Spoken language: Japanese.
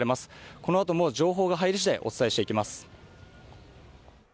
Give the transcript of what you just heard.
このあとも情報が入りしだい、お伝えしていきます。